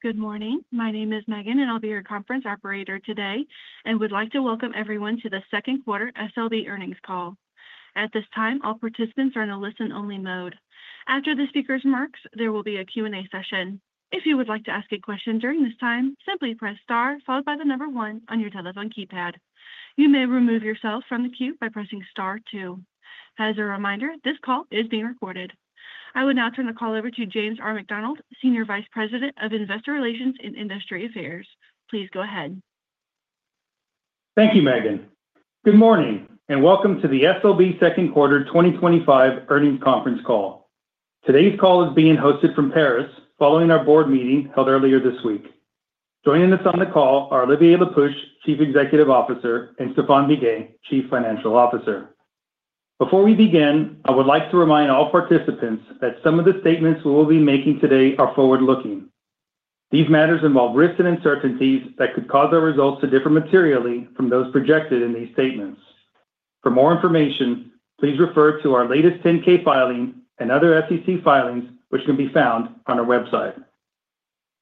Good morning. My name is Megan, and I'll be your conference operator today and would like to welcome everyone to the second quarter SLB earnings call. At this time, all participants are in a listen-only mode. After the speaker's remarks, there will be a Q&A session. If you would like to ask a question during this time, simply press star followed by the number one on your telephone keypad. You may remove yourself from the queue by pressing star two. As a reminder, this call is being recorded. I will now turn the call over to James R. McDonald, Senior Vice President of Investor Relations and Industry Affairs. Please go ahead. Thank you, Megan. Good morning and welcome to the SLB second quarter 2025 earnings conference call. Today's call is being hosted from Paris following our Board meeting held earlier this week. Joining us on the call are Olivier Le Peuch, Chief Executive Officer, and Stephane Biguet, Chief Financial Officer. Before we begin, I would like to remind all participants that some of the statements we will be making today are forward-looking. These matters involve risks and uncertainties that could cause our results to differ materially from those projected in these statements. For more information, please refer to our latest 10-K filing and other SEC filings, which can be found on our website.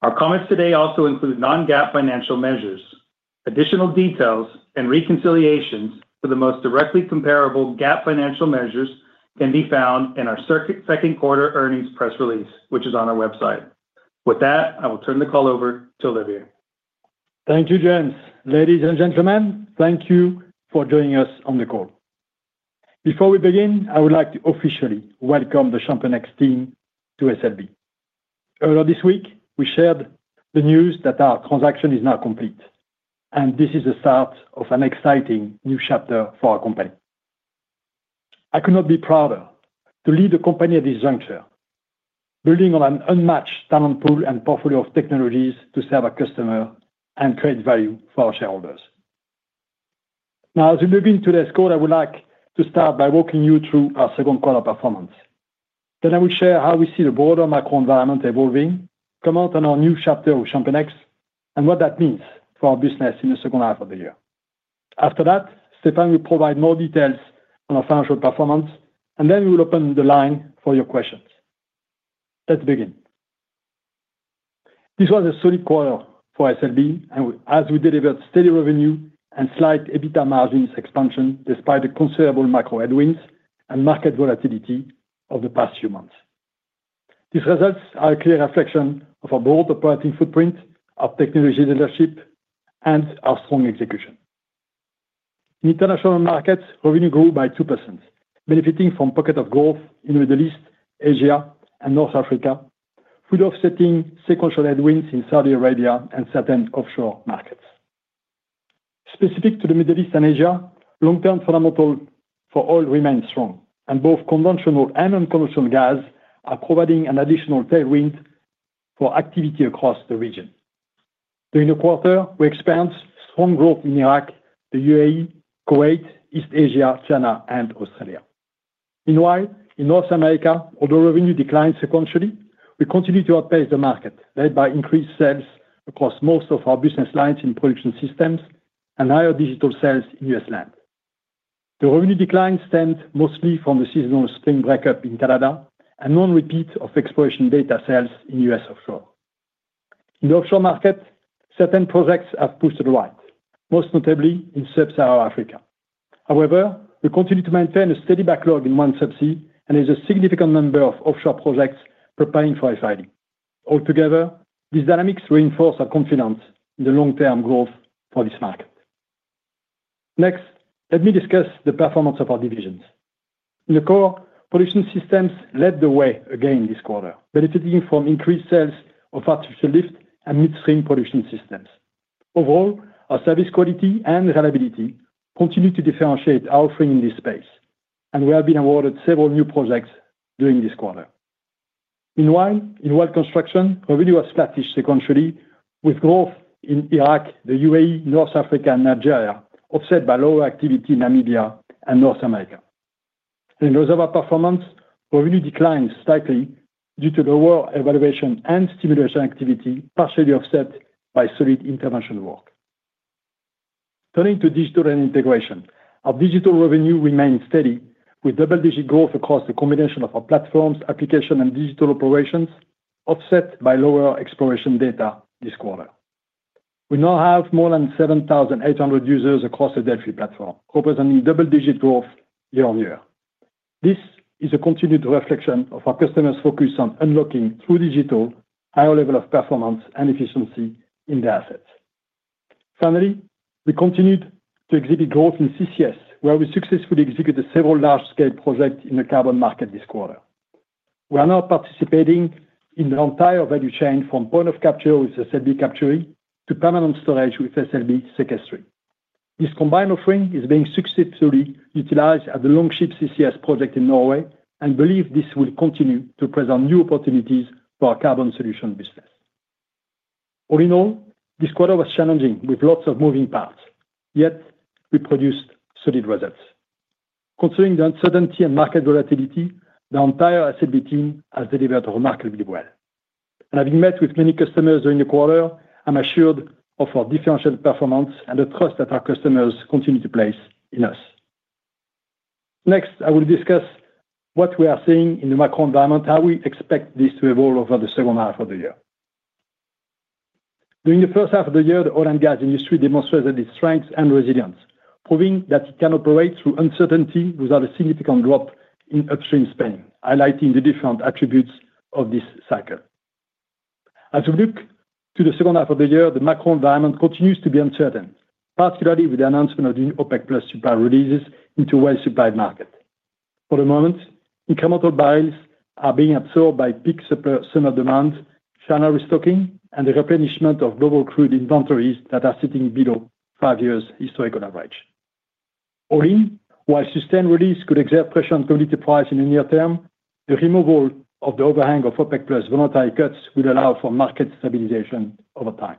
Our comments today also include non-GAAP financial measures. Additional details and reconciliations for the most directly comparable GAAP financial measures can be found in our second quarter earnings press release, which is on our website. With that, I will turn the call over to Olivier. Thank you, James. Ladies and gentlemen, thank you for joining us on the call. Before we begin, I would like to officially welcome the ChampionX team to SLB. Earlier this week, we shared the news that our transaction is now complete, and this is the start of an exciting new chapter for our company. I could not be prouder to lead the company at this juncture, building on an unmatched talent pool and portfolio of technologies to serve our customer and create value for our shareholders. Now, as we begin today's call, I would like to start by walking you through our second quarter performance. Then I will share how we see the broader macro environment evolving, comment on our new chapter of ChampionX, and what that means for our business in the second half of the year. After that, Stephane will provide more details on our financial performance, and then we will open the line for your questions. Let's begin. This was a solid quarter for SLB, as we delivered steady revenue and slight EBITDA margin expansion despite the considerable macro headwinds and market volatility of the past few months. These results are a clear reflection of our broad operating footprint, our technology leadership, and our strong execution. In international markets, revenue grew by 2%, benefiting from pockets of growth in the Middle East, Asia, and North Africa, with offsetting sequential headwinds in Saudi Arabia and certain offshore markets. Specific to the Middle East and Asia, long-term fundamentals for oil remain strong, and both conventional and unconventional gas are providing an additional tailwind for activity across the region. During the quarter, we experienced strong growth in Iraq, the U.A.E., Kuwait, East Asia, China, and Australia. Meanwhile, in North America, although revenue declined sequentially, we continued to outpace the market, led by increased sales across most of our business lines in production systems and higher digital sales in U.S. land. The revenue decline stemmed mostly from the seasonal spring breakup in Canada and non-repeat of exploration data sales in U.S. offshore. In the offshore market, certain projects have pushed to the right, most notably in Sub-Saharan Africa. However, we continue to maintain a steady backlog in OneSubsea and there's a significant number of offshore projects preparing for FID. Altogether, these dynamics reinforce our confidence in the long-term growth for this market. Next, let me discuss the performance of our divisions. In the core, production systems led the way again this quarter, benefiting from increased sales of artificial lift and midstream production systems. Overall, our service quality and reliability continue to differentiate our offering in this space, and we have been awarded several new projects during this quarter. Meanwhile, in well construction, revenue was flattish sequentially, with growth in Iraq, the U.A.E., North Africa, and Nigeria, offset by lower activity in Namibia and North America. In reservoir performance, revenue declined slightly due to lower evaluation and stimulation activity, partially offset by solid intervention work. Turning to digital and integration, our digital revenue remained steady, with double-digit growth across the combination of our platforms, application, and digital operations, offset by lower exploration data this quarter. We now have more than 7,800 users across the Delfi platform, representing double-digit growth year-on-year. This is a continued reflection of our customers' focus on unlocking through digital higher levels of performance and efficiency in their assets. Finally, we continued to exhibit growth in CCS, where we successfully executed several large-scale projects in the carbon market this quarter. We are now participating in the entire value chain from point of capture with SLB Capturi to permanent storage with SLB Sequestri. This combined offering is being successfully utilized at the Longship CCS project in Norway, and we believe this will continue to present new opportunities for our carbon solution business. All in all, this quarter was challenging with lots of moving parts, yet we produced solid results. Considering the uncertainty and market volatility, the entire SLB team has delivered remarkably well. Having met with many customers during the quarter, I'm assured of our differentiated performance and the trust that our customers continue to place in us. Next, I will discuss what we are seeing in the macro environment, how we expect this to evolve over the second half of the year. During the first half of the year, the oil and gas industry demonstrated its strength and resilience, proving that it can operate through uncertainty without a significant drop in upstream spending, highlighting the different attributes of this cycle. As we look to the second half of the year, the macro environment continues to be uncertain, particularly with the announcement of the new OPEC+ supply releases into a well-supplied market. For the moment, incremental barrels are being absorbed by peak summer demand, China restocking, and the replenishment of global crude inventories that are sitting below five-year historical average. All in, while sustained release could exert pressure on commodity price in the near-term, the removal of the overhang of OPEC+ voluntary cuts would allow for market stabilization over time.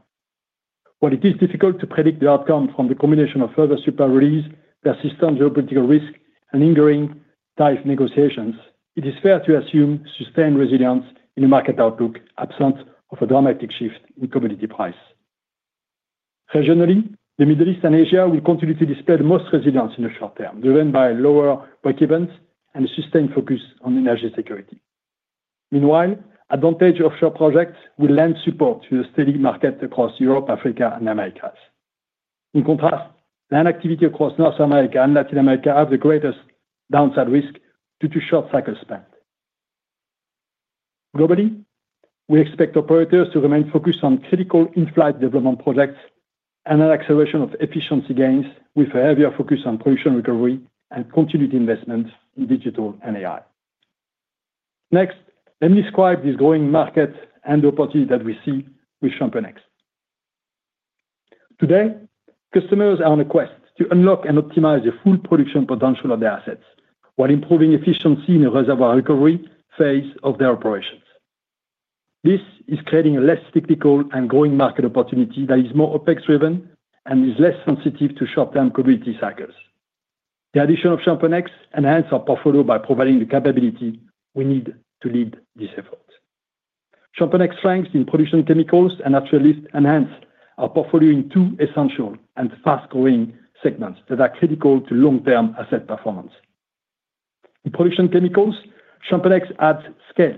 While it is difficult to predict the outcome from the combination of further supply release, persistent geopolitical risk, and lingering tariff negotiations, it is fair to assume sustained resilience in the market outlook absent of a dramatic shift in commodity price. Regionally, the Middle East and Asia will continue to display the most resilience in the short term, driven by lower break-evens and a sustained focus on energy security. Meanwhile, advantaged offshore projects will lend support to the steady market across Europe, Africa, and the Americas. In contrast, land activity across North America and Latin America has the greatest downside risk due to short cycle spend. Globally, we expect operators to remain focused on critical in-flight development projects and an acceleration of efficiency gains with a heavier focus on production recovery and continued investment in digital and AI. Next, let me describe this growing market and the opportunity that we see with ChampionX. Today, customers are on a quest to unlock and optimize the full production potential of their assets while improving efficiency in the reservoir recovery phase of their operations. This is creating a less cyclical and growing market opportunity that is more OpEx-driven and is less sensitive to short-term commodity cycles. The addition of ChampionX enhances our portfolio by providing the capability we need to lead this effort. ChampionX's strengths in production chemicals and artificial lift enhances our portfolio in two essential and fast-growing segments that are critical to long-term asset performance. In production chemicals, ChampionX adds scale,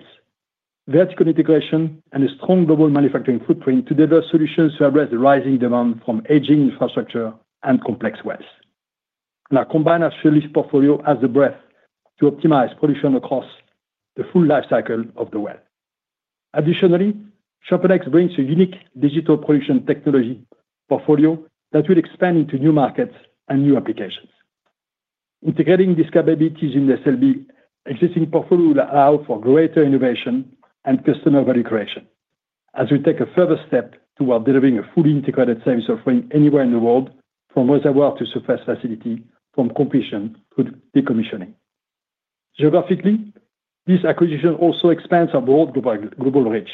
vertical integration, and a strong global manufacturing footprint to deliver solutions to address the rising demand from aging infrastructure and complex wells. Now, our combined artificial lift portfolio has the breadth to optimize production across the full lifecycle of the well. Additionally, ChampionX brings a unique digital production technology portfolio that will expand into new markets and new applications. Integrating these capabilities in the SLB existing portfolio will allow for greater innovation and customer value creation as we take a further step toward delivering a fully integrated service offering anywhere in the world, from reservoir to surface facility, from completion to decommissioning. Geographically, this acquisition also expands our broad global reach.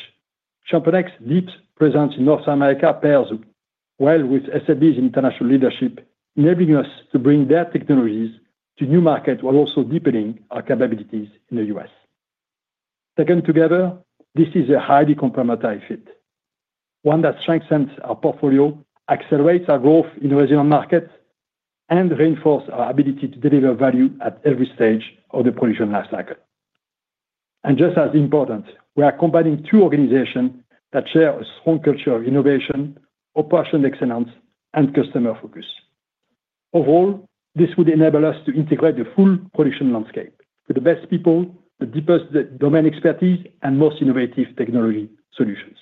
ChampionX's deep presence in North America pairs well with SLB's international leadership, enabling us to bring their technologies to new markets while also deepening our capabilities in the U.S. Taken together, this is a highly complementary fit, one that strengthens our portfolio, accelerates our growth in resident markets, and reinforces our ability to deliver value at every stage of the production lifecycle. Just as important, we are combining two organizations that share a strong culture of innovation, operational excellence, and customer focus. Overall, this would enable us to integrate the full production landscape with the best people, the deepest domain expertise, and the most innovative technology solutions,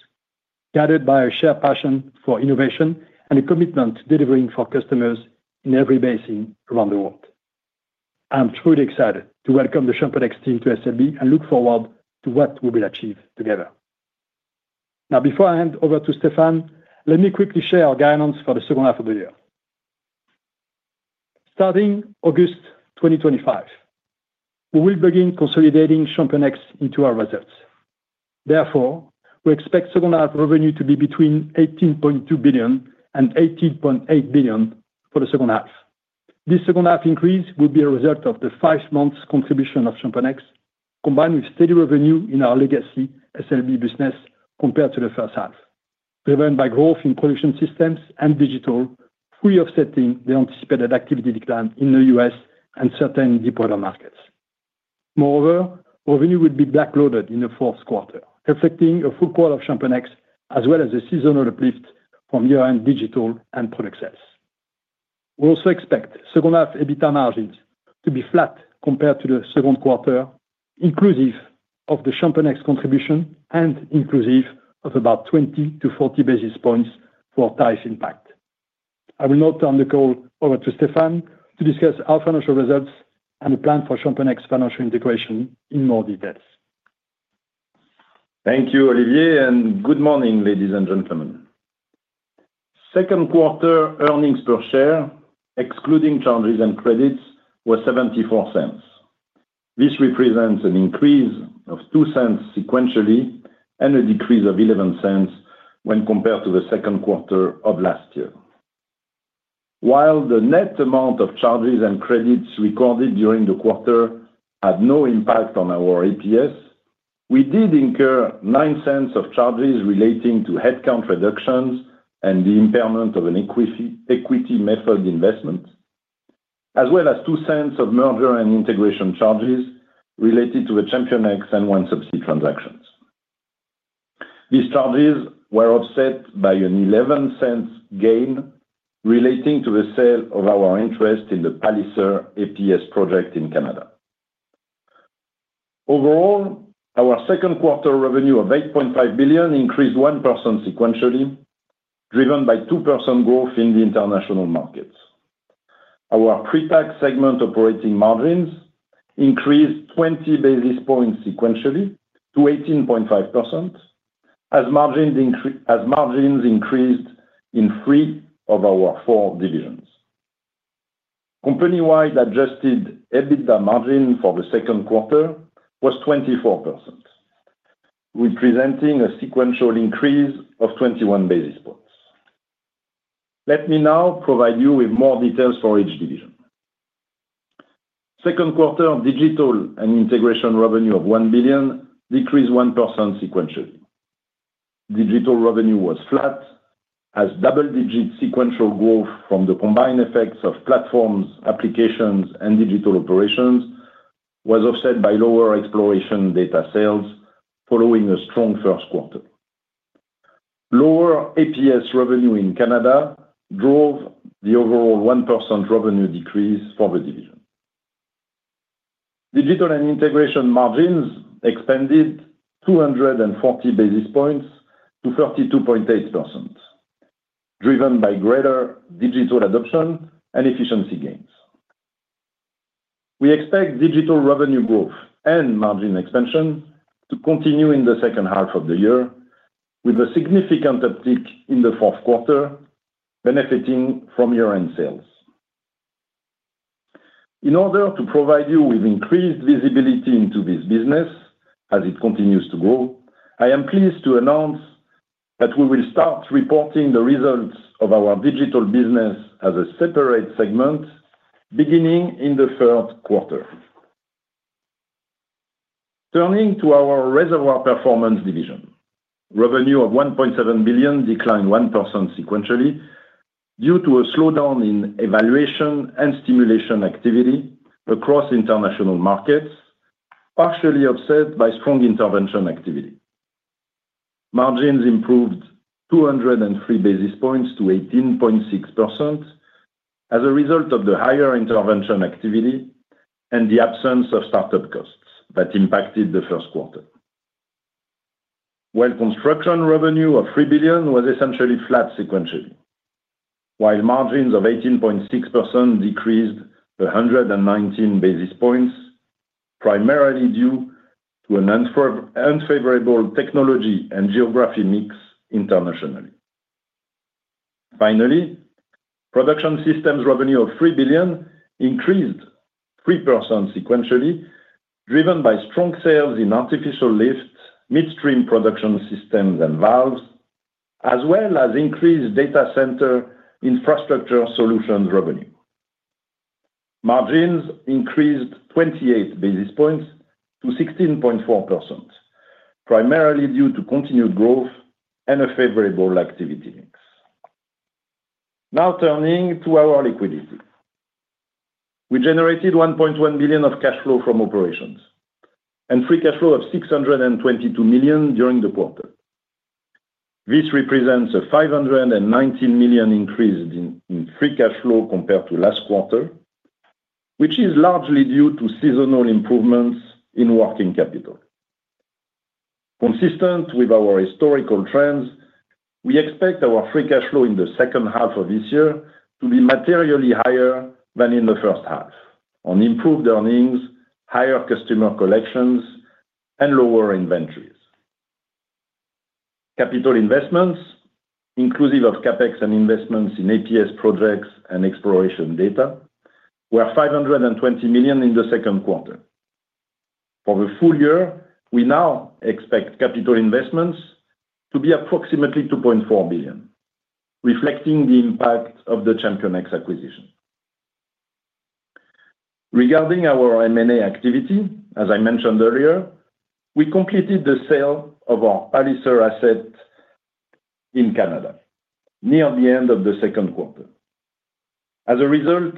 guided by a shared passion for innovation and a commitment to delivering for customers in every basin around the world. I'm truly excited to welcome the ChampionX team to SLB and look forward to what we will achieve together. Now, before I hand over to Stephane, let me quickly share our guidelines for the second half of the year. Starting August 2025, we will begin consolidating ChampionX into our results. Therefore, we expect second half revenue to be between $18.2 billion-$18.8 billion for the second half. This second half increase will be a result of the five-month contribution of ChampionX, combined with steady revenue in our legacy SLB business compared to the first half, driven by growth in production systems and digital, fully offsetting the anticipated activity decline in the U.S. and certain deepwater markets. Moreover, revenue will be backloaded in the fourth quarter, reflecting a full quarter of ChampionX as well as a seasonal uplift from year-end digital and product sales. We also expect second half EBITDA margins to be flat compared to the second quarter, inclusive of the ChampionX contribution and inclusive of about 20 basis points-40 basis points for tariff impact. I will now turn the call over to Stephane to discuss our financial results and the plan for ChampionX financial integration in more detail. Thank you, Olivier, and good morning, ladies and gentlemen. Second quarter earnings per share, excluding charges and credits, was $0.74. This represents an increase of $0.02 sequentially and a decrease of $0.11 when compared to the second quarter of last year. While the net amount of charges and credits recorded during the quarter had no impact on our EPS, we did incur $0.09 of charges relating to headcount reductions and the impairment of an equity method investment, as well as $0.02 of merger and integration charges related to the ChampionX and OneSubsea transactions. These charges were offset by an $0.11 gain relating to the sale of our interest in the Palliser APS project in Canada. Overall, our second quarter revenue of $8.5 billion increased 1% sequentially, driven by 2% growth in the international markets. Our pretax segment operating margins increased 20 basis points sequentially to 18.5%, as margins increased in three of our four divisions. Company-wide adjusted EBITDA margin for the second quarter was 24%, representing a sequential increase of 21 basis points. Let me now provide you with more details for each division. Second quarter digital and integration revenue of $1 billion decreased 1% sequentially. Digital revenue was flat as double-digit sequential growth from the combined effects of platforms, applications, and digital operations was offset by lower exploration data sales following a strong first quarter. Lower APS revenue in Canada drove the overall 1% revenue decrease for the division. Digital and integration margins expanded 240 basis points to 32.8%, driven by greater digital adoption and efficiency gains. We expect digital revenue growth and margin expansion to continue in the second half of the year with a significant uptick in the fourth quarter, benefiting from year-end sales. In order to provide you with increased visibility into this business as it continues to grow, I am pleased to announce that we will start reporting the results of our digital business as a separate segment beginning in the third quarter. Turning to our reservoir performance division, revenue of $1.7 billion declined 1% sequentially due to a slowdown in evaluation and stimulation activity across international markets, partially offset by strong intervention activity. Margins improved 203 basis points to 18.6% as a result of the higher intervention activity and the absence of startup costs that impacted the first quarter. Well construction revenue of $3 billion was essentially flat sequentially, while margins of 18.6% decreased 119 basis points, primarily due to an unfavorable technology and geography mix internationally. Finally, production systems revenue of $3 billion increased 3% sequentially, driven by strong sales in artificial lift, midstream production systems and valves, as well as increased data center infrastructure solutions revenue. Margins increased 28 basis points to 16.4%, primarily due to continued growth and a favorable activity mix. Now turning to our liquidity. We generated $1.1 billion of cash flow from operations and free cash flow of $622 million during the quarter. This represents a $519 million increase in free cash flow compared to last quarter, which is largely due to seasonal improvements in working capital. Consistent with our historical trends, we expect our free cash flow in the second half of this year to be materially higher than in the first half on improved earnings, higher customer collections, and lower inventories. Capital investments, inclusive of CapEx and investments in APS projects and exploration data, were $520 million in the second quarter. For the full year, we now expect capital investments to be approximately $2.4 billion, reflecting the impact of the ChampionX acquisition. Regarding our M&A activity, as I mentioned earlier, we completed the sale of our Palliser asset in Canada near the end of the second quarter. As a result,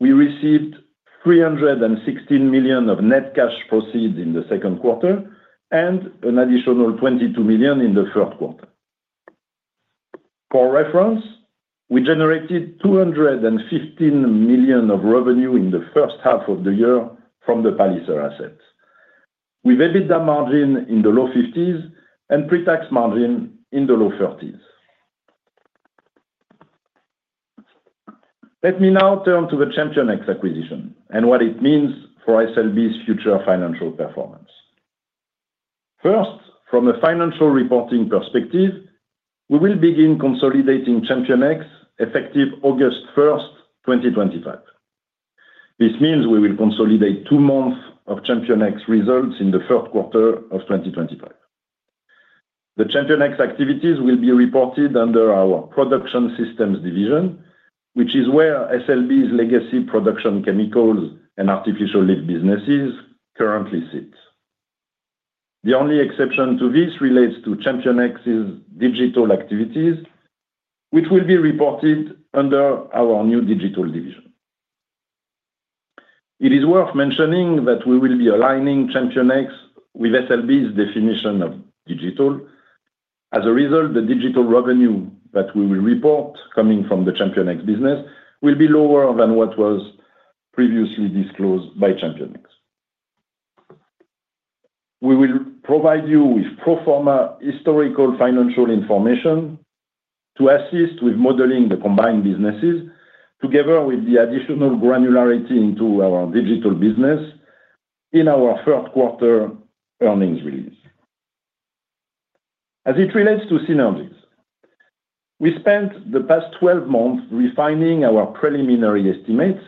we received $316 million of net cash proceeds in the second quarter and an additional $22 million in the third quarter. For reference, we generated $215 million of revenue in the first half of the year from the Palliser assets, with EBITDA margin in the low 50s and pretax margin in the low 30s. Let me now turn to the ChampionX acquisition and what it means for SLB's future financial performance. First, from a financial reporting perspective, we will begin consolidating ChampionX effective August 1st, 2025. This means we will consolidate two months of ChampionX results in the third quarter of 2025. The ChampionX activities will be reported under our production systems division, which is where SLB's legacy production chemicals and artificial lift businesses currently sit. The only exception to this relates to ChampionX's digital activities, which will be reported under our new digital division. It is worth mentioning that we will be aligning ChampionX with SLB's definition of digital. As a result, the digital revenue that we will report coming from the ChampionX business will be lower than what was previously disclosed by ChampionX. We will provide you with pro forma historical financial information to assist with modeling the combined businesses, together with the additional granularity into our digital business, in our third quarter earnings release. As it relates to synergies, we spent the past 12 months refining our preliminary estimates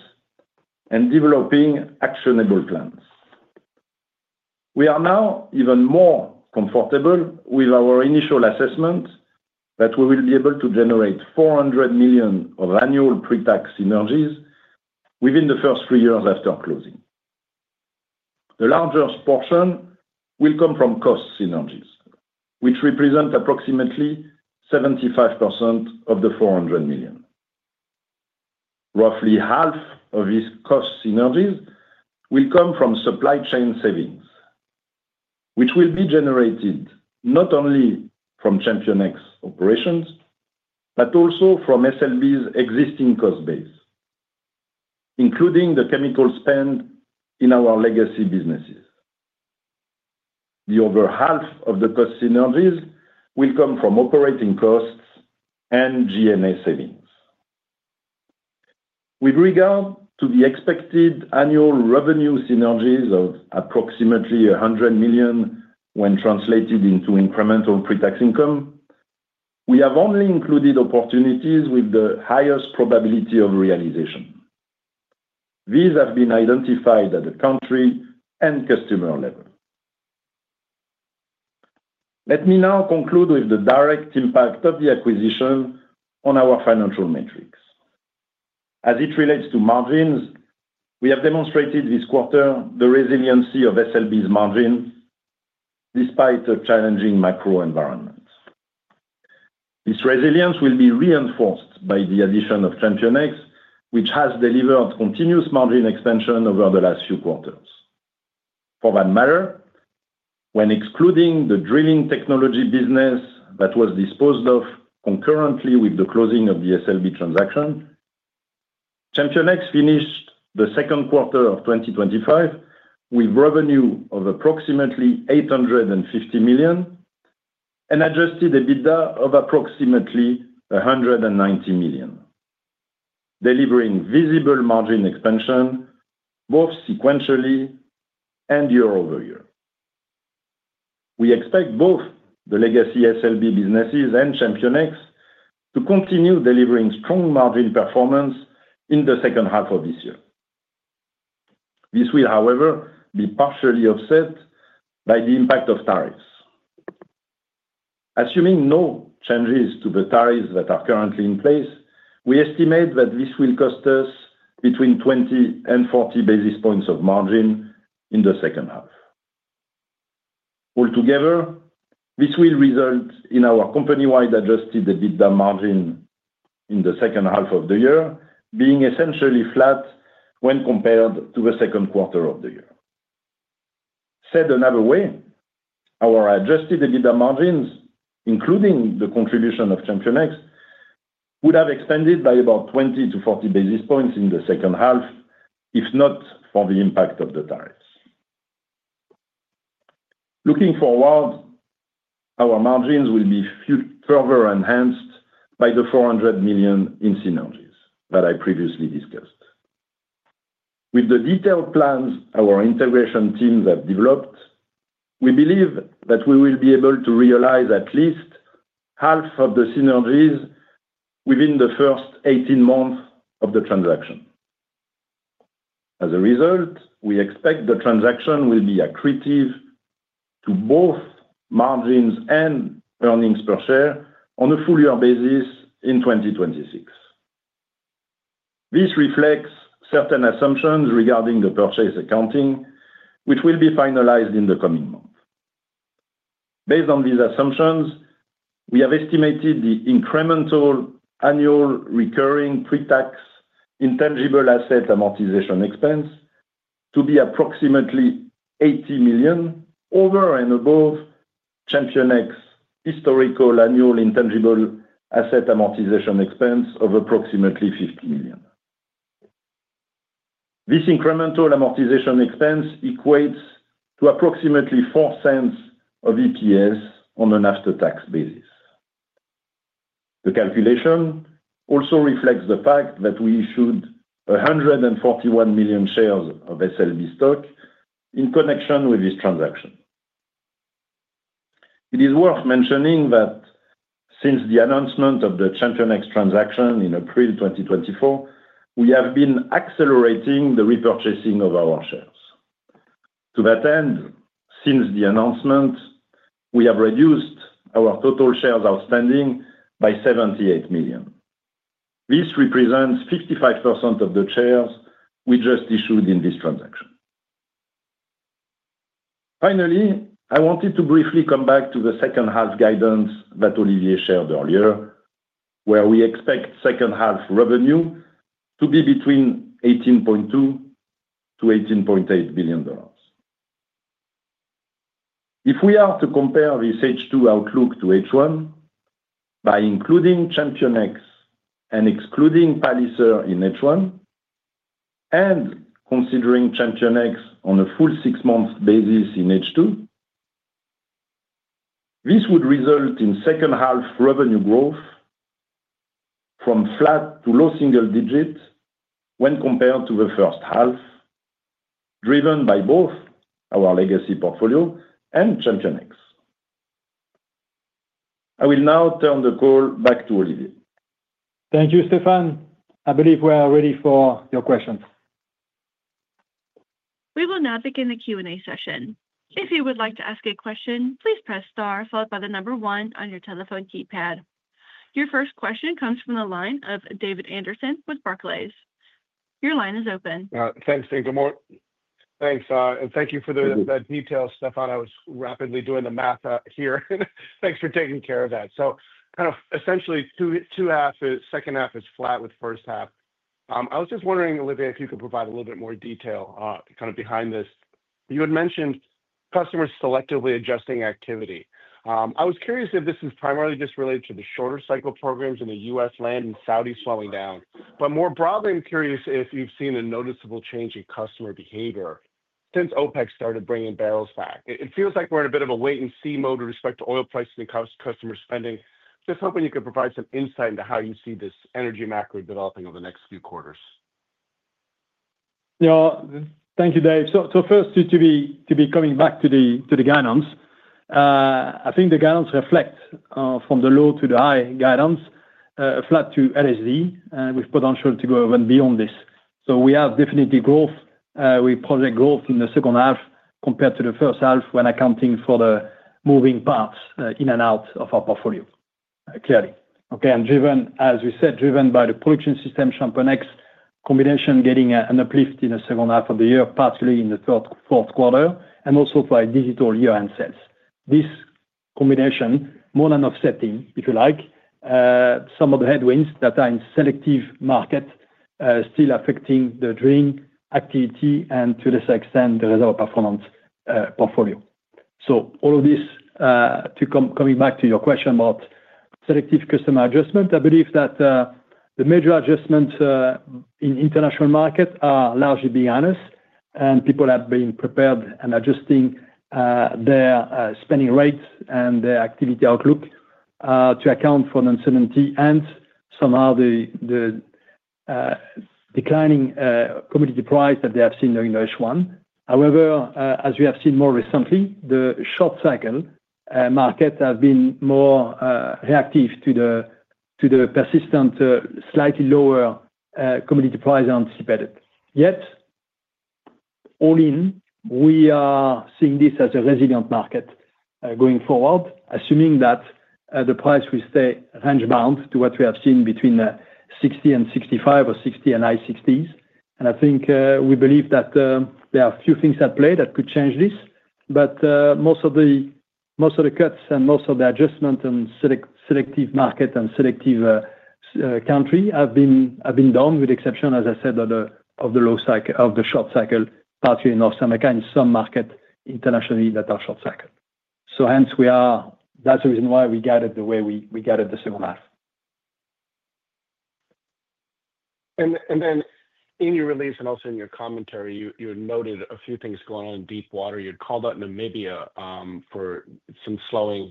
and developing actionable plans. We are now even more comfortable with our initial assessment that we will be able to generate $400 million of annual pretax synergies within the first three years after closing. The largest portion will come from cost synergies, which represent approximately 75% of the $400 million. Roughly half of these cost synergies will come from supply chain savings, which will be generated not only from ChampionX operations, but also from SLB's existing cost base, including the chemical spend in our legacy businesses. The other half of the cost synergies will come from operating costs and G&A savings. With regard to the expected annual revenue synergies of approximately $100 million, when translated into incremental pretax income, we have only included opportunities with the highest probability of realization. These have been identified at the country and customer level. Let me now conclude with the direct impact of the acquisition on our financial metrics. As it relates to margins, we have demonstrated this quarter the resiliency of SLB's margins, despite a challenging macro environment. This resilience will be reinforced by the addition of ChampionX, which has delivered continuous margin expansion over the last few quarters. For that matter, when excluding the drilling technology business that was disposed of concurrently with the closing of the SLB transaction, ChampionX finished the second quarter of 2025 with revenue of approximately $850 million and adjusted EBITDA of approximately $190 million, delivering visible margin expansion both sequentially and year-over-year. We expect both the legacy SLB businesses and ChampionX to continue delivering strong margin performance in the second half of this year. This will, however, be partially offset by the impact of tariffs. Assuming no changes to the tariffs that are currently in place, we estimate that this will cost us between 20 and 40 basis points of margin in the second half. Altogether, this will result in our company-wide adjusted EBITDA margin in the second half of the year being essentially flat when compared to the second quarter of the year. Said another way, our adjusted EBITDA margins, including the contribution of ChampionX, would have expanded by about 20 basis points-40 basis points in the second half, if not for the impact of the tariffs. Looking forward, our margins will be further enhanced by the $400 million in synergies that I previously discussed. With the detailed plans our integration teams have developed, we believe that we will be able to realize at least half of the synergies within the first 18 months of the transaction. As a result, we expect the transaction will be accretive to both margins and earnings per share on a full-year basis in 2026. This reflects certain assumptions regarding the purchase accounting, which will be finalized in the coming months. Based on these assumptions, we have estimated the incremental annual recurring pretax intangible asset amortization expense to be approximately $80 million over and above ChampionX's historical annual intangible asset amortization expense of approximately $50 million. This incremental amortization expense equates to approximately $0.04 of EPS on an after-tax basis. The calculation also reflects the fact that we issued 141 million shares of SLB stock in connection with this transaction. It is worth mentioning that since the announcement of the ChampionX transaction in April 2024, we have been accelerating the repurchasing of our shares. To that end, since the announcement, we have reduced our total shares outstanding by 78 million. This represents 55% of the shares we just issued in this transaction. Finally, I wanted to briefly come back to the second half guidance that Olivier shared earlier, where we expect second half revenue to be between $18.2 billion-$18.8 billion. If we are to compare this H2 outlook to H1, by including ChampionX and excluding Palliser in H1, and considering ChampionX on a full six-month basis in H2, this would result in second half revenue growth from flat to low single-digits when compared to the first half, driven by both our legacy portfolio and ChampionX. I will now turn the call back to Olivier. Thank you, Stephane. I believe we are ready for your questions. We will now begin the Q&A session. If you would like to ask a question, please press star followed by the number one on your telephone keypad. Your first question comes from the line of David Anderson with Barclays. Your line is open. Thanks and good morning. Thanks. And thank you for the details, Stephane. I was rapidly doing the math here. Thanks for taking care of that. So kind of essentially two-half, second half is flat with first half. I was just wondering, Olivier, if you could provide a little bit more detail kind of behind this. You had mentioned customers selectively adjusting activity. I was curious if this is primarily just related to the shorter cycle programs in the U.S. land and Saudi slowing down. More broadly, I'm curious if you've seen a noticeable change in customer behavior since OPEC started bringing barrels back. It feels like we're in a bit of a wait-and-see mode with respect to oil pricing and customer spending. Just hoping you could provide some insight into how you see this energy macro developing over the next few quarters. Yeah, thank you, Dave. First, to be coming back to the guidance. I think the guidance reflects from the low to the high guidance, flat to LSD, with potential to go even beyond this. We have definitely growth. We project growth in the second half compared to the first half when accounting for the moving parts in and out of our portfolio, clearly. Driven, as we said, by the production systems ChampionX combination getting an uplift in the second half of the year, particularly in the third, fourth quarter, and also for digital year-end sales. This combination, more than offsetting, if you like, some of the headwinds that are in selective market, still affecting the drilling activity and to a lesser extent the reservoir performance portfolio. All of this, to coming back to your question about selective customer adjustment, I believe that the major adjustments in international market are largely being honest, and people have been prepared and adjusting their spending rates and their activity outlook to account for the uncertainty and somehow the declining commodity price that they have seen during the H1. However, as we have seen more recently, the short cycle market has been more reactive to the persistent, slightly lower commodity price anticipated. Yet, all in, we are seeing this as a resilient market going forward, assuming that the price will stay range-bound to what we have seen between $60 and $65 or $60 and high $60s. I think we believe that there are a few things at play that could change this, but most of the cuts and most of the adjustment in selective market and selective country have been done, with the exception, as I said, of the low cycle, of the short cycle, particularly in North America and some markets internationally that are short cycle. Hence, that's the reason why we guided the way we guided the second half. In your release and also in your commentary, you had noted a few things going on in deepwater. You had called out Namibia for some slowing.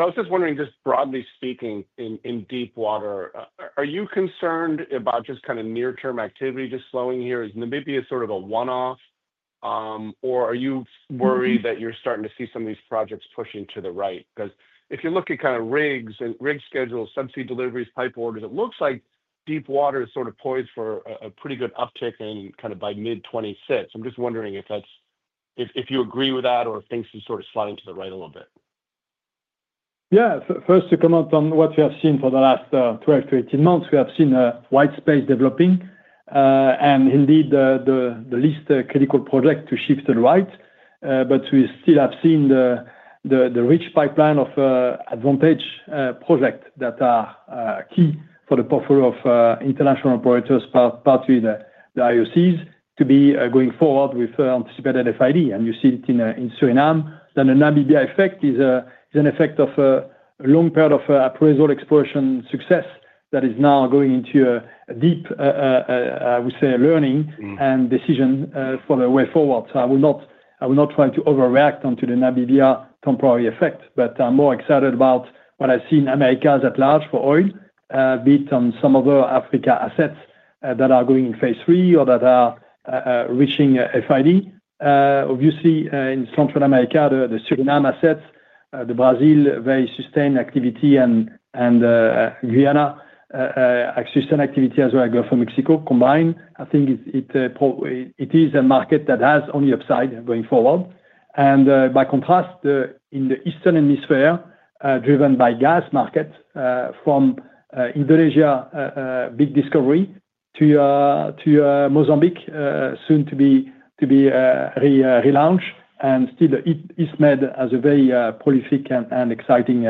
I was just wondering, just broadly speaking, in deepwater, are you concerned about just kind of near-term activity just slowing here? Is Namibia sort of a one-off, or are you worried that you're starting to see some of these projects pushing to the right? Because if you look at kind of rigs and rig schedules, subsea deliveries, pipe orders, it looks like deepwater is sort of poised for a pretty good uptick kind of by mid-2026. I'm just wondering if you agree with that or things are sort of sliding to the right a little bit. Yeah, first to comment on what we have seen for the last 12 months-18 months, we have seen a white space developing. Indeed, the least critical project to shift to the right. We still have seen the rich pipeline of advantaged projects that are key for the portfolio of international operators, partly the IOCs, to be going forward with anticipated FID. You see it in Suriname. The Namibia effect is an effect of a long period of appraisal exploration success that is now going into a deep, I would say, learning and decision for the way forward. I will not try to overreact onto the Namibia temporary effect, but I'm more excited about what I see in Americas at large for oil, be it on some other Africa assets that are going in phase III or that are reaching FID. Obviously, in Central America, the Suriname assets, the Brazil very sustained activity, and Vienna exciting activity as well as Gulf of Mexico combined. I think it is a market that has only upside going forward. By contrast, in the Eastern Hemisphere, driven by gas markets from Indonesia, big discovery to Mozambique, soon to be relaunched, and still is made as a very prolific and exciting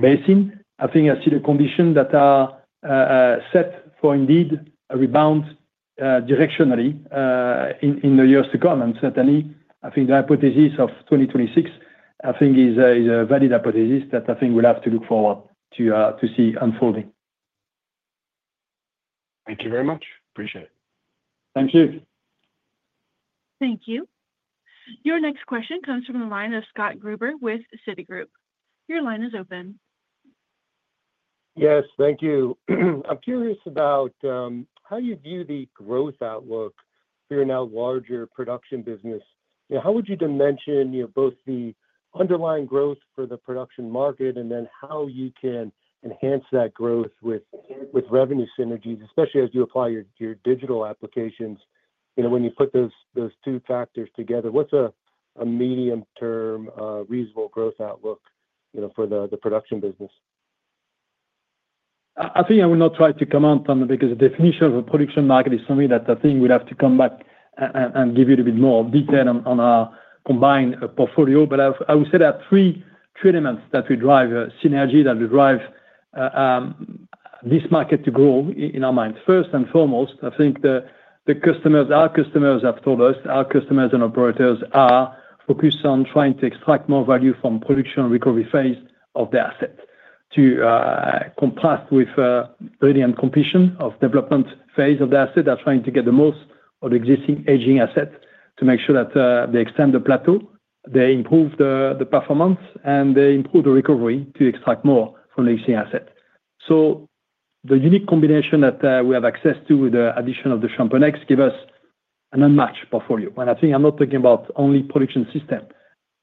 basin. I think I see the conditions that are set for indeed a rebound directionally. In the years to come. Certainly, I think the hypothesis of 2026, I think, is a valid hypothesis that I think we'll have to look forward to see unfolding. Thank you very much. Appreciate it. Thank you. Thank you. Your next question comes from the line of Scott Gruber with Citigroup. Your line is open. Yes, thank you. I'm curious about how you view the growth outlook for your now larger production business. How would you dimension both the underlying growth for the production market and then how you can enhance that growth with revenue synergies, especially as you apply your digital applications? When you put those two factors together, what's a medium-term reasonable growth outlook for the production business? I think I will not try to comment on that because the definition of a production market is something that I think we'd have to come back and give you a little bit more detail on our combined portfolio. I would say there are three elements that we drive synergy, that we drive this market to grow in our minds. First and foremost, I think our customers have told us, our customers and operators are focused on trying to extract more value from production recovery phase of the asset to contrast with the early-end completion of development phase of the asset. They're trying to get the most of the existing aging assets to make sure that they extend the plateau, they improve the performance, and they improve the recovery to extract more from the existing asset. The unique combination that we have access to with the addition of ChampionX gives us an unmatched portfolio. I think I'm not talking about only production systems,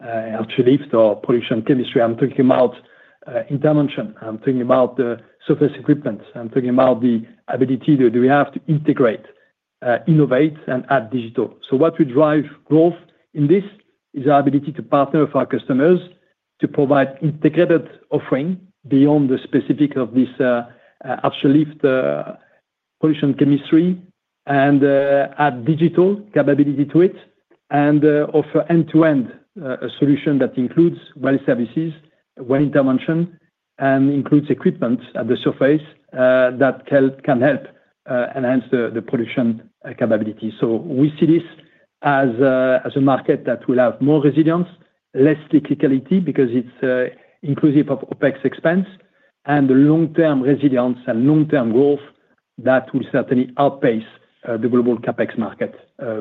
artificial lift, or production chemistry. I'm talking about intervention. I'm talking about the surface equipment. I'm talking about the ability that we have to integrate, innovate, and add digital. What we drive growth in this is our ability to partner with our customers to provide integrated offering beyond the specifics of this, artificial lift, production chemistry, and add digital capability to it and offer end-to-end a solution that includes well services, well intervention, and includes equipment at the surface that can help enhance the production capability. We see this as a market that will have more resilience, less cyclicality because it's inclusive of OpEx expense and the long-term resilience and long-term growth that will certainly outpace the global CapEx market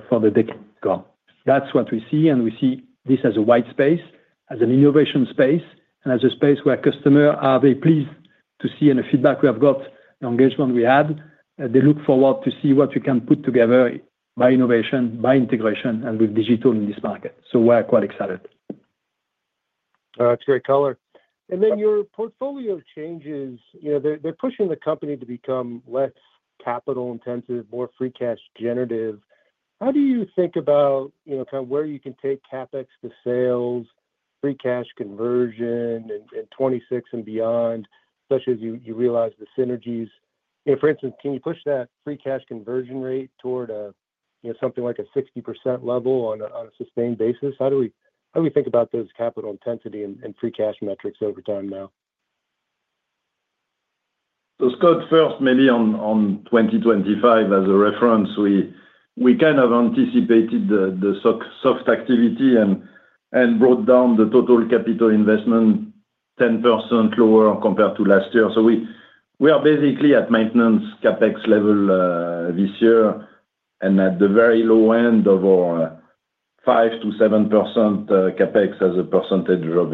for the decade to come. That's what we see, and we see this as a white space, as an innovation space, and as a space where customers are very pleased to see the feedback we have got, the engagement we had. They look forward to see what we can put together by innovation, by integration, and with digital in this market. We're quite excited. That's great color. Your portfolio changes, they're pushing the company to become less capital-intensive, more free cash generative. How do you think about kind of where you can take CapEx to sales, free cash conversion in 2026 and beyond, especially as you realize the synergies? For instance, can you push that free cash conversion rate toward something like a 60% level on a sustained basis? How do we think about those capital intensity and free cash metrics over time now? Scott, first, maybe on 2025 as a reference, we kind of anticipated the soft activity and brought down the total capital investment 10% lower compared to last year. We are basically at maintenance CapEx level this year and at the very low end of our 5%-7% CapEx as a percentage of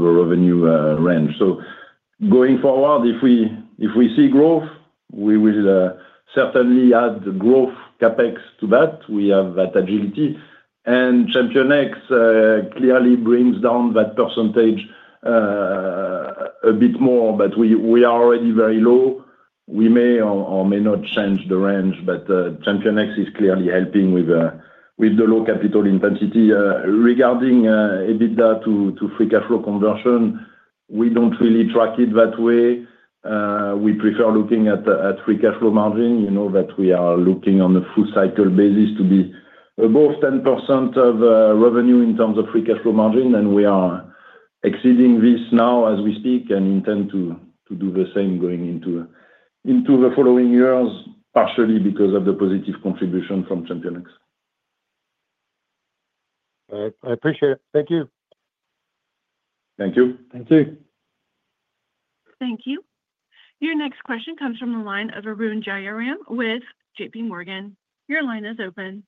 revenue range. Going forward, if we see growth, we will certainly add the growth CapEx to that. We have that agility. ChampionX clearly brings down that percentage a bit more, but we are already very low. We may or may not change the range, but ChampionX is clearly helping with the low capital intensity. Regarding EBITDA to free cash flow conversion, we do not really track it that way. We prefer looking at free cash flow margin, that we are looking on a full cycle basis to be above 10% of revenue in terms of free cash flow margin. We are exceeding this now as we speak and intend to do the same going into the following years, partially because of the positive contribution from ChampionX. I appreciate it. Thank you. Thank you. Thank you. Thank you. Your next question comes from the line of Arun Jayaram with JPMorgan. Your line is open.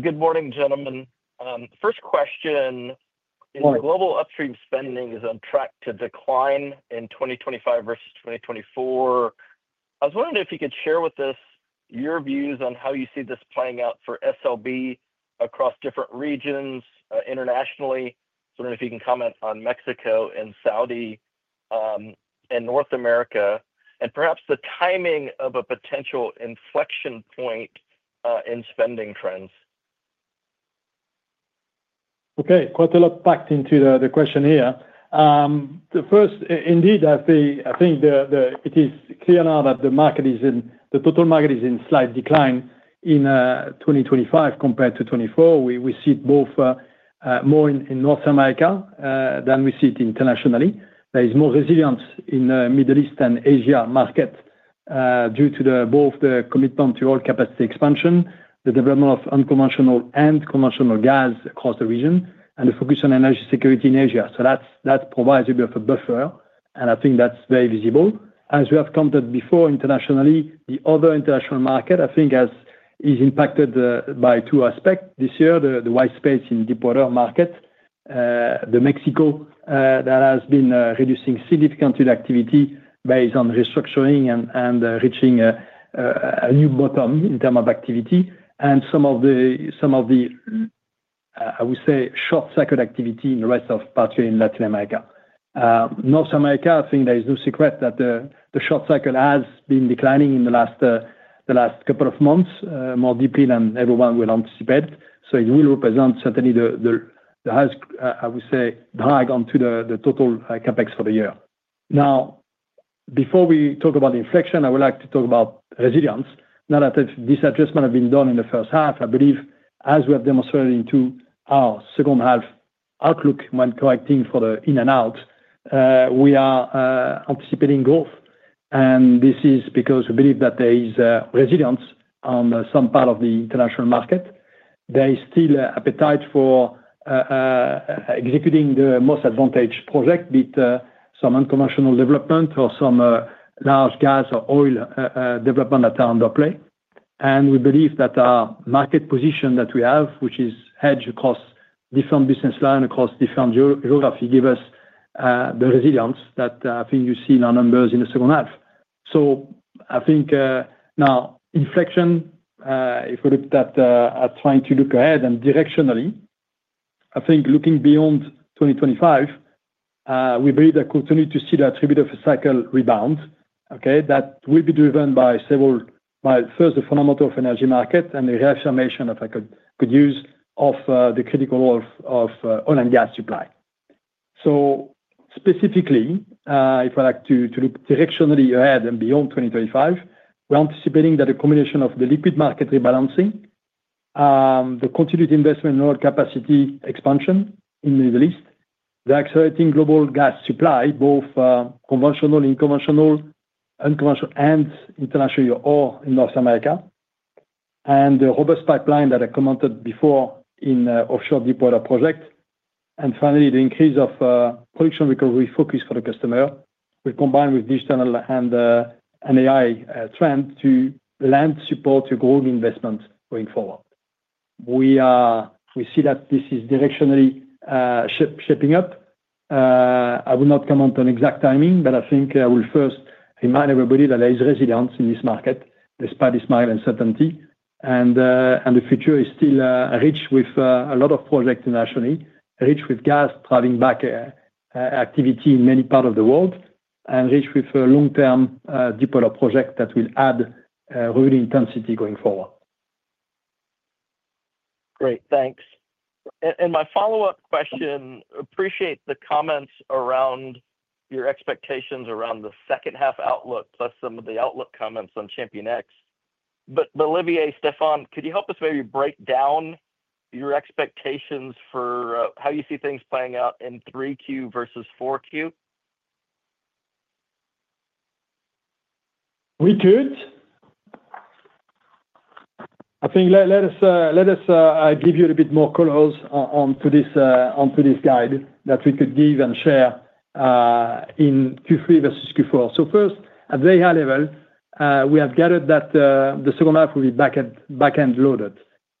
Good morning, gentlemen. First question is global upstream spending on track to decline in 2025 versus 2024. I was wondering if you could share with us your views on how you see this playing out for SLB across different regions internationally? I was wondering if you can comment on Mexico and Saudi and North America, and perhaps the timing of a potential inflection point in spending trends. Quite a lot packed into the question here. First, indeed, I think it is clear now that the market is in the total market is in slight decline in 2025 compared to 2024. We see it both more in North America than we see it internationally. There is more resilience in the Middle East and Asia market due to both the commitment to all capacity expansion, the development of unconventional and conventional gas across the region, and the focus on energy security in Asia. That provides a bit of a buffer, and I think that is very visible. As we have commented before, internationally, the other international market, I think, is impacted by two aspects this year: the white space in deepwater market, the Mexico that has been reducing significantly the activity based on restructuring and reaching a new bottom in terms of activity, and some of the, I would say, short cycle activity in the rest of, particularly in Latin America. North America, I think there is no secret that the short cycle has been declining in the last couple of months, more deeply than everyone will anticipate. It will represent certainly the highest, I would say, drag onto the total CapEx for the year. Now, before we talk about inflection, I would like to talk about resilience. Now that this adjustment has been done in the first half, I believe, as we have demonstrated in our second half outlook when correcting for the in and out, we are anticipating growth, and this is because we believe that there is resilience on some part of the international market. There is still appetite for executing the most advantaged project, be it some unconventional development or some large gas or oil development that are under play. We believe that our market position that we have, which is hedged across different business lines, across different geographies, gives us the resilience that I think you see in our numbers in the second half. I think now inflection. If we looked at trying to look ahead and directionally, I think looking beyond 2025, we believe that we'll continue to see the attribute of a cycle rebound, okay, that will be driven by, first, the fundamental of energy market and the reaffirmation of the use of the critical oil and gas supply. Specifically, if I like to look directionally ahead and beyond 2025, we're anticipating that the combination of the liquid market rebalancing, the continued investment in oil capacity expansion in the Middle East, the accelerating global gas supply, both conventional, unconventional, international, or in North America, and the robust pipeline that I commented before in offshore deepwater project, and finally, the increase of production recovery focus for the customer, combined with digital and AI trends to lend support to growing investments going forward. We see that this is directionally shaping up. I will not comment on exact timing, but I think I will first remind everybody that there is resilience in this market, despite this mild uncertainty. The future is still rich with a lot of projects internationally, rich with gas driving back activity in many parts of the world, and rich with long-term deepwater projects that will add really intensity going forward. Great, thanks. And my follow-up question, appreciate the comments around your expectations around the second half outlook, plus some of the outlook comments on ChampionX. Olivier, Stephane, could you help us maybe break down your expectations for how you see things playing out in 3Q versus 4Q? We could. I think let us give you a little bit more colors onto this guide that we could give and share in Q3 versus Q4. First, at a very high level, we have gathered that the second half will be back-end loaded.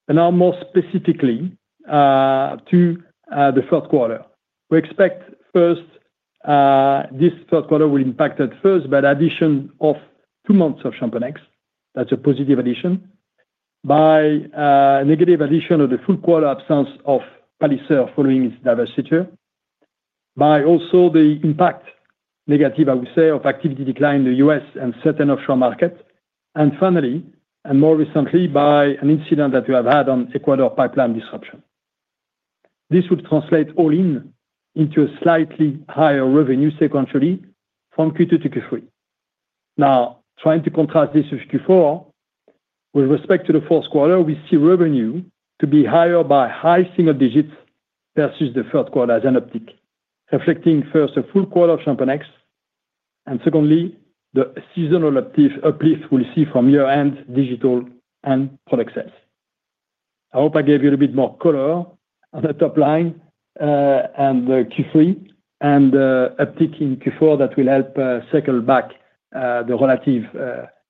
Now, more specifically to the fourth quarter, we expect first. This third quarter will impact at first by the addition of two months of ChampionX. That's a positive addition. By a negative addition of the full quarter absence of Palliser following its divestiture. By also the impact negative, I would say, of activity decline in the U.S. and certain offshore markets. Finally, and more recently, by an incident that we have had on Ecuador pipeline disruption. This would translate all in into a slightly higher revenue sequentially from Q2 to Q3. Now, trying to contrast this with Q4. With respect to the fourth quarter, we see revenue to be higher by high single-digits versus the third quarter as an uptick, reflecting first a full quarter of ChampionX and secondly, the seasonal uplift we'll see from year-end digital and product sales. I hope I gave you a little bit more color on the top-line and the Q3 and uptick in Q4 that will help circle back the relative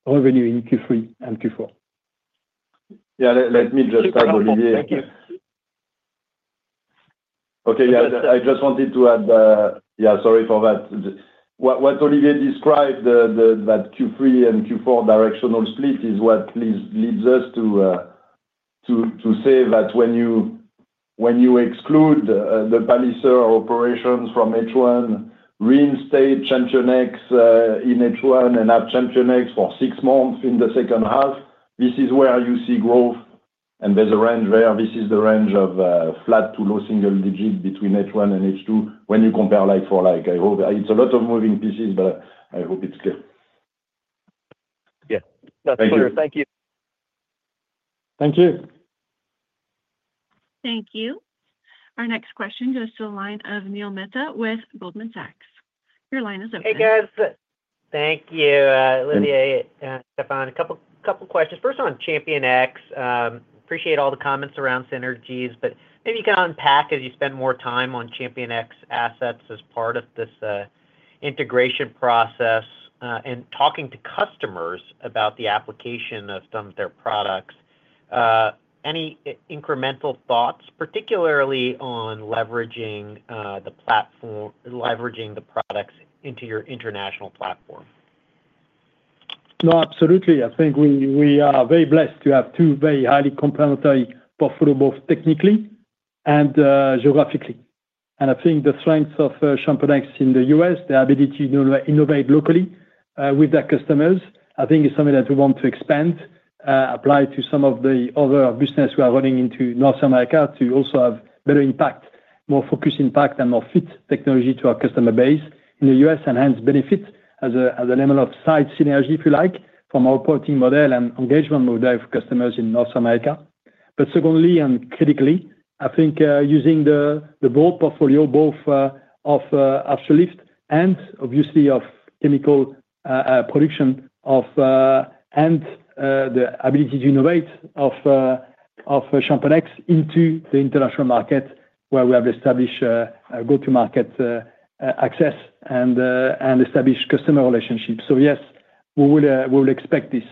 revenue in Q3 and Q4. Yeah, let me just add, Olivier. Thank you. Okay, yeah, I just wanted to add, yeah, sorry for that. What Olivier described, that Q3 and Q4 directional split, is what leads us to say that when you exclude the Palliser operations from H1, reinstate ChampionX in H1, and have ChampionX for six months in the second half, this is where you see growth. There's a range there. This is the range of flat to low single-digit between H1 and H2 when you compare for, I hope, it's a lot of moving pieces, but I hope it's clear. Yeah, that's clear. Thank you. Thank you. Thank you. Our next question goes to the line of Neil Mehta with Goldman Sachs. Your line is open. Hey, guys. Thank you, Olivier and Stephane. A couple of questions. First, on ChampionX. Appreciate all the comments around synergies, but maybe you can unpack as you spend more time on ChampionX assets as part of this integration process. And talking to customers about the application of some of their products. Any incremental thoughts, particularly on leveraging the products into your international platform? No, absolutely. I think we are very blessed to have two very highly complementary portfolios, both technically and geographically. I think the strengths of ChampionX in the U.S., the ability to innovate locally with their customers, I think is something that we want to expand, apply to some of the other business we are running into North America to also have better impact, more focused impact, and more fit technology to our customer base in the U.S., and hence benefit as a level of side synergy, if you like, from our reporting model and engagement model for customers in North America. Secondly, and critically, I think using the broad portfolio, both of artificial lift and obviously of chemical production, and the ability to innovate of ChampionX into the international market where we have established go-to-market access and established customer relationships. Yes, we will expect this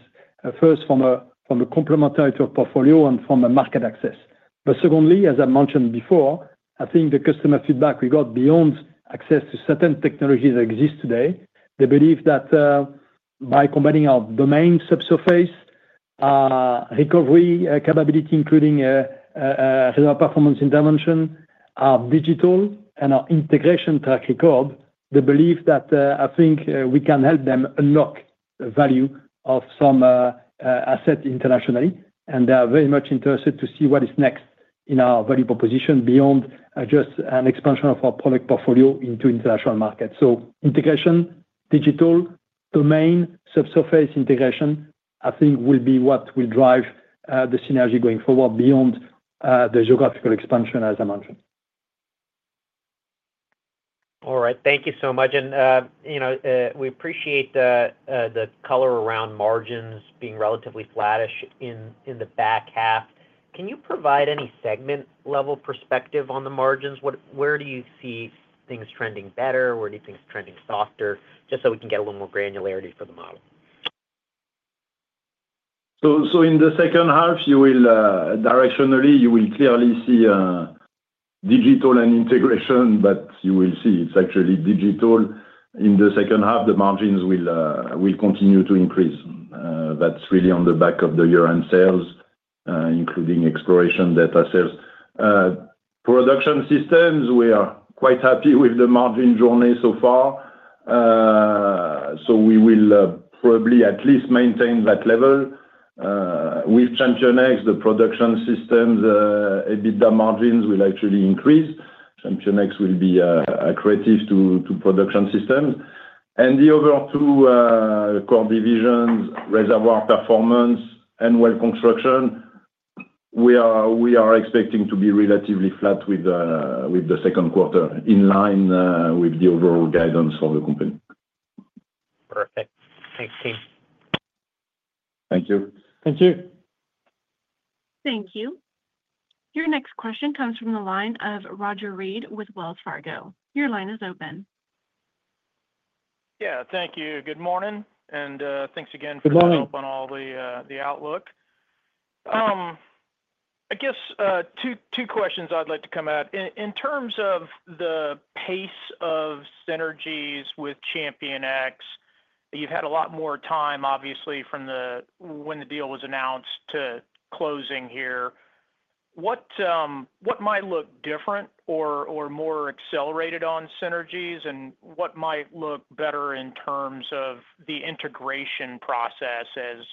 first from a complementary to our portfolio and from a market access. Secondly, as I mentioned before, I think the customer feedback we got beyond access to certain technologies that exist today, the belief that by combining our domain subsurface recovery capability, including our performance intervention, our digital, and our integration track record, the belief that I think we can help them unlock the value of some asset internationally. They are very much interested to see what is next in our value proposition beyond just an expansion of our product portfolio into international markets. Integration, digital, domain, subsurface integration, I think will be what will drive the synergy going forward beyond the geographical expansion, as I mentioned. Thank you so much. We appreciate the color around margins being relatively flattish in the back half. Can you provide any segment-level perspective on the margins? Where do you see things trending better? Where do you think it is trending softer? Just so we can get a little more granularity for the model. In the second half, you will directionally, you will clearly see digital and integration, but you will see it is actually digital. In the second half, the margins will continue to increase. That is really on the back of the year-end sales, including exploration data sales. Production systems, we are quite happy with the margin journey so far. We will probably at least maintain that level. With ChampionX, the production systems EBITDA margins will actually increase. ChampionX will be accretive to production systems. The other two core divisions, reservoir performance and well construction, we are expecting to be relatively flat with the second quarter, in line with the overall guidance for the company. Perfect. Thanks, team. Thank you. Thank you. Thank you. Your next question comes from the line of Roger Read with Wells Fargo. Your line is open. Thank you. Good morning. Thanks again for your help on all the outlook. I guess two questions I would like to come at. In terms of the pace of synergies with ChampionX, you have had a lot more time, obviously, from when the deal was announced to closing here. What might look different or more accelerated on synergies? What might look better in terms of the integration process as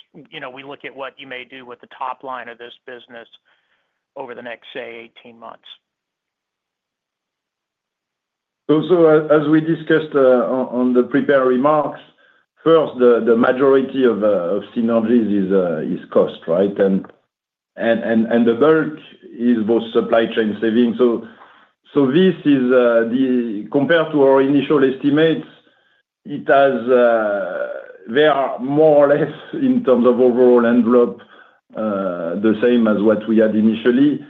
we look at what you may do with the top-line of this business over the next, say, 18 months? As we discussed on the prepared remarks, first, the majority of synergies is cost, right? The bulk is both supply chain savings. Compared to our initial estimates, they are more or less, in terms of overall envelope, the same as what we had initially.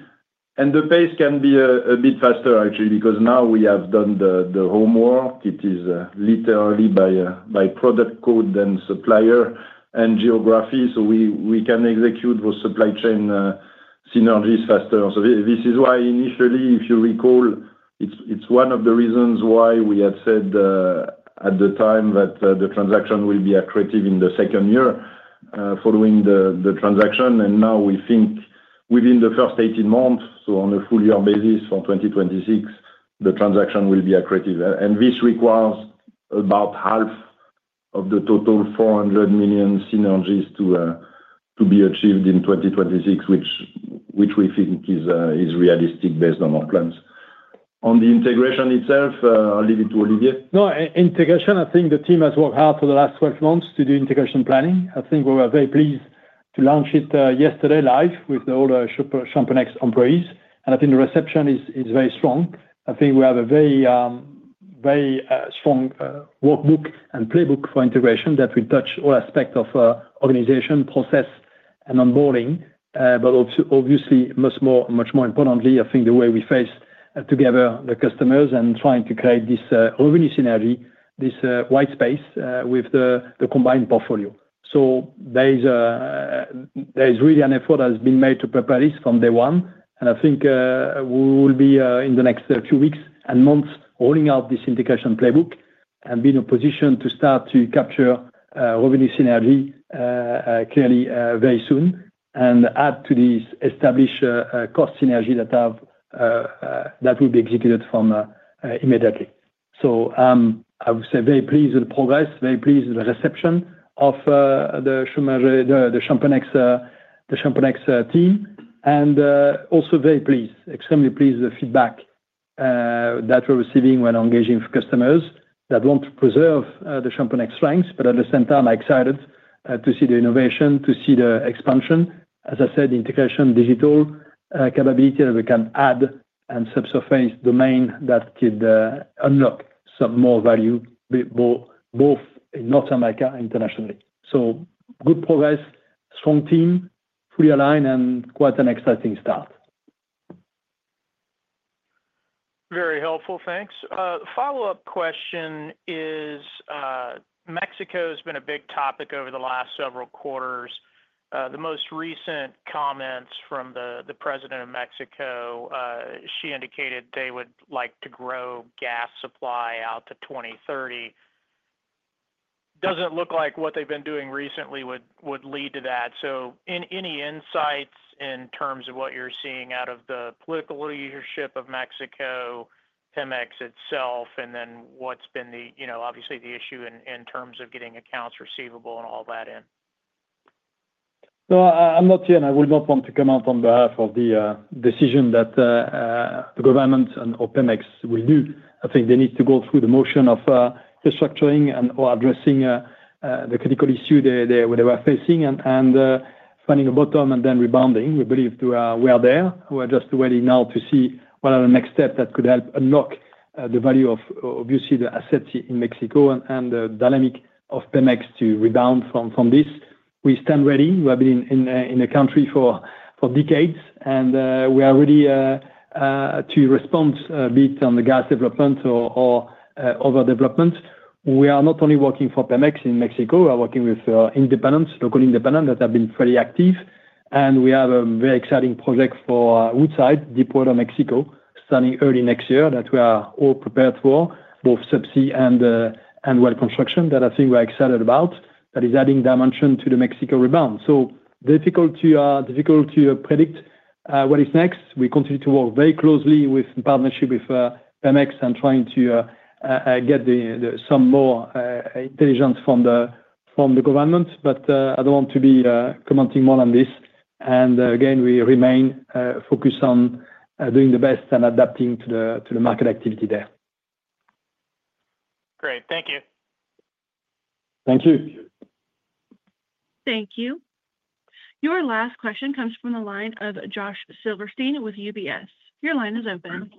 The pace can be a bit faster, actually, because now we have done the homework. It is literally by product code and supplier and geography. We can execute those supply chain synergies faster. This is why initially, if you recall, it's one of the reasons why we had said at the time that the transaction will be accretive in the second year following the transaction. Now we think within the first 18 months, on a full-year basis for 2026, the transaction will be accretive. This requires about half of the total $400 million synergies to be achieved in 2026, which we think is realistic based on our plans. On the integration itself, I'll leave it to Olivier. No, integration, I think the team has worked hard for the last 12 months to do integration planning. I think we were very pleased to launch it yesterday live with all the ChampionX employees, and I think the reception is very strong. I think we have a very strong workbook and playbook for integration that will touch all aspects of organization, process, and onboarding. Obviously, much more importantly, I think the way we face together the customers and trying to create this revenue synergy, this white space with the combined portfolio. There is really an effort that has been made to prepare this from day one. I think we will be in the next few weeks and months rolling out this integration playbook and being in a position to start to capture revenue synergy clearly very soon and add to these established cost synergies that will be executed from immediately. I would say very pleased with the progress, very pleased with the reception of the ChampionX team, and also very pleased, extremely pleased with the feedback that we're receiving when engaging with customers that want to preserve the ChampionX strengths. At the same time, I'm excited to see the innovation, to see the expansion, as I said, integration, digital capability that we can add and subsurface domain that could unlock some more value, both in North America and internationally. Good progress, strong team, fully aligned, and quite an exciting start. Very helpful, thanks. Follow-up question is, Mexico has been a big topic over the last several quarters. The most recent comments from the President of Mexico, she indicated they would like to grow gas supply out to 2030. Doesn't look like what they've been doing recently would lead to that. Any insights in terms of what you're seeing out of the political leadership of Mexico, Pemex itself, and then what's been the, obviously, the issue in terms of getting accounts receivable and all that in? No, I'm not here, and I will not want to comment on behalf of the decision that the government and Pemex will do. I think they need to go through the motion of restructuring and/or addressing the critical issue they were facing and finding a bottom and then rebounding. We believe we are there. We're just waiting now to see what are the next steps that could help unlock the value of, obviously, the assets in Mexico and the dynamic of Pemex to rebound from this. We stand ready. We have been in the country for decades, and we are ready. To respond a bit on the gas development or overdevelopment. We are not only working for Pemex in Mexico. We are working with independents, local independents that have been fairly active. We have a very exciting project for Woodside, deepwater Mexico, starting early next year that we are all prepared for, both subsea and well construction, that I think we're excited about, that is adding dimension to the Mexico rebound. Difficult to predict what is next. We continue to work very closely in partnership with Pemex and trying to get some more intelligence from the government. I do not want to be commenting more on this. Again, we remain focused on doing the best and adapting to the market activity there. Great. Thank you. Thank you. Thank you. Your last question comes from the line of Josh Silverstein with UBS. Your line is open.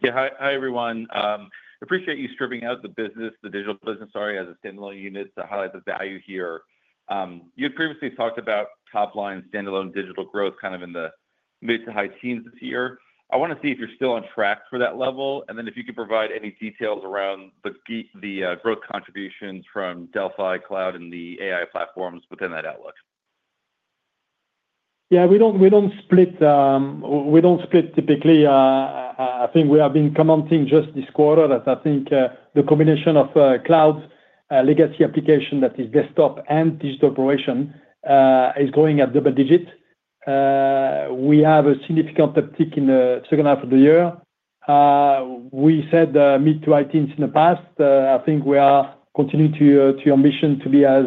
Yeah, hi, everyone. Appreciate you stripping out the digital business, sorry, as a standalone unit to highlight the value here. You had previously talked about top-line standalone digital growth kind of in the mid to high-teens this year. I want to see if you're still on track for that level, and then if you could provide any details around the growth contributions from Delfi cloud and the AI platforms within that outlook. Yeah, we do not split typically. I think we have been commenting just this quarter that I think the combination of cloud legacy application that is desktop and digital operation is going at double-digits. We have a significant uptick in the second half of the year. We said mid to high-teens in the past. I think we are continuing to ambition to be as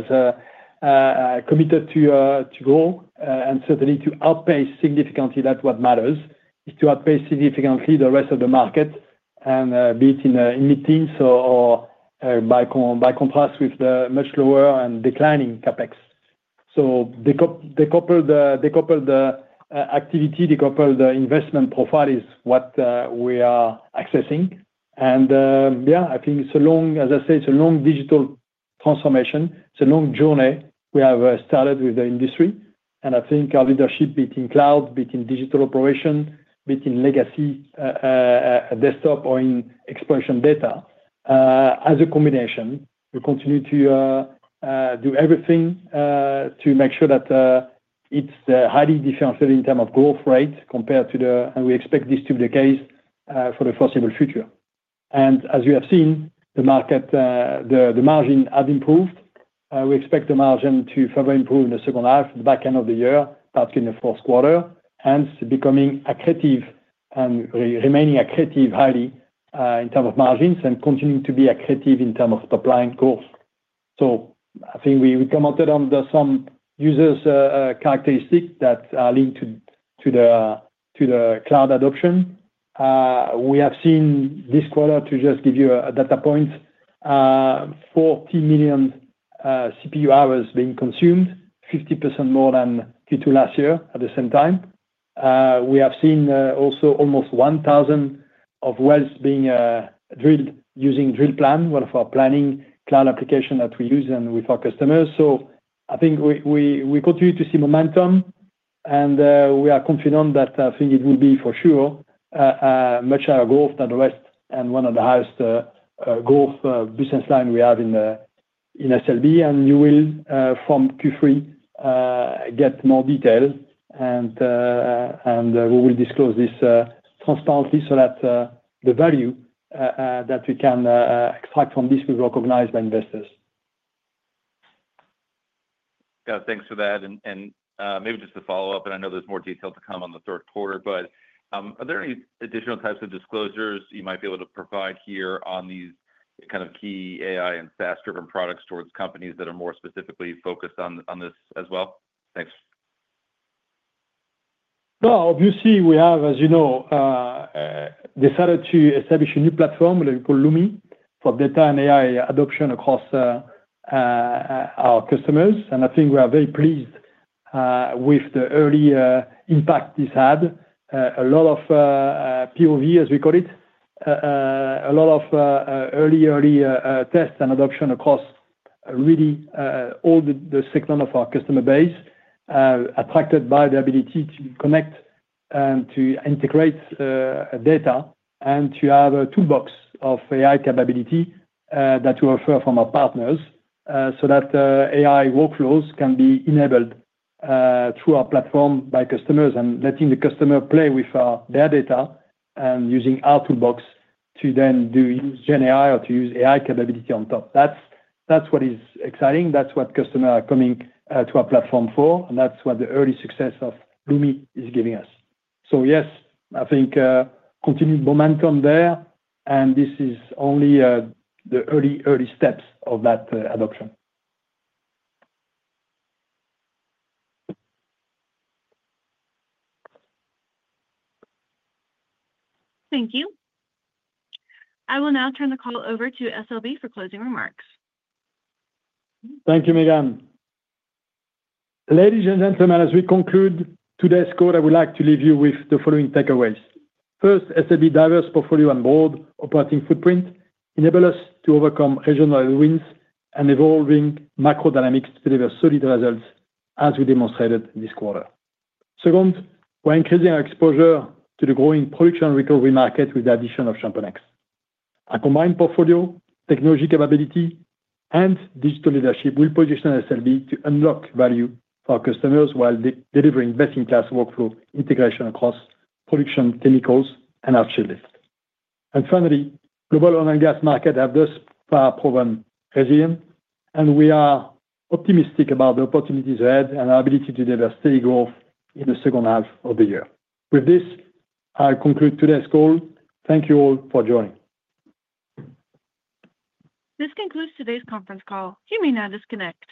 committed to grow and certainly to outpace significantly. That is what matters, is to outpace significantly the rest of the market, and be it in mid-teens or by contrast with the much lower and declining CapEx. Decoupled activity, decoupled investment profile is what we are accessing. Yeah, I think it is a long, as I say, it is a long digital transformation. It is a long journey we have started with the industry. I think our leadership, be it in cloud, be it in digital operation, be it in legacy desktop, or in expansion data. As a combination, we continue to do everything to make sure that it is highly differentiated in terms of growth rate compared to the, and we expect this to be the case for the foreseeable future. As you have seen, the margin has improved. We expect the margin to further improve in the second half, the back end of the year, particularly in the fourth quarter, and becoming accretive and remaining accretive highly in terms of margins and continuing to be accretive in terms of top-line growth. I think we commented on some users' characteristics that are linked to the cloud adoption. We have seen this quarter, to just give you a data point, 40 million CPU hours being consumed, 50% more than Q2 last year at the same time. We have seen also almost 1,000 wells being drilled using DrillPlan, one of our planning cloud applications that we use with our customers. I think we continue to see momentum, and we are confident that I think it will be for sure much higher growth than the rest and one of the highest growth business lines we have in SLB. You will, from Q3, get more detail, and we will disclose this transparently so that the value that we can extract from this will be recognized by investors. Yeah, thanks for that. Maybe just to follow up, and I know there's more detail to come on the third quarter, but are there any additional types of disclosures you might be able to provide here on these kind of key AI and fast-driven products towards companies that are more specifically focused on this as well? Thanks. Obviously, we have, as you know, decided to establish a new platform that we call Lumi for data and AI adoption across our customers. I think we are very pleased with the early impact this had. A lot of TOV, as we call it, a lot of early, early tests and adoption across really all the segments of our customer base, attracted by the ability to connect and to integrate data and to have a toolbox of AI capability that we offer from our partners so that AI workflows can be enabled through our platform by customers and letting the customer play with their data and using our toolbox to then use GenAI or to use AI capability on top. That's what is exciting. That's what customers are coming to our platform for, and that's what the early success of Lumi is giving us. Yes, I think continued momentum there, and this is only the early, early steps of that adoption. Thank you. I will now turn the call over to SLB for closing remarks. Thank you, Megan. Ladies and gentlemen, as we conclude today's call, I would like to leave you with the following takeaways. First, SLB's diverse portfolio and broad operating footprint enable us to overcome regional headwinds and evolving macro dynamics to deliver solid results as we demonstrated this quarter. Second, we're increasing our exposure to the growing production recovery market with the addition of ChampionX. Our combined portfolio, technology capability, and digital leadership will position SLB to unlock value for our customers while delivering best-in-class workflow integration across production chemicals and artificial lift. Finally, the global oil and gas market has thus far proven resilient, and we are optimistic about the opportunities ahead and our ability to deliver steady growth in the second half of the year. With this, I'll conclude today's call. Thank you all for joining. This concludes today's conference call. You may now disconnect.